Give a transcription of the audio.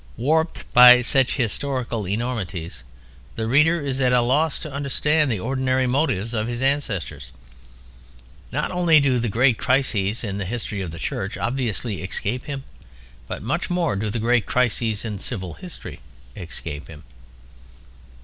Warped by such historical enormities, the reader is at a loss to understand the ordinary motives of his ancestors. Not only do the great crises in the history of the Church obviously escape him, but much more do the great crises in civil history escape him.